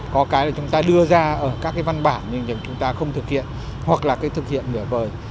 có cái là chúng ta đưa ra ở các cái văn bản nhưng chúng ta không thực hiện hoặc là cái thực hiện nửa vời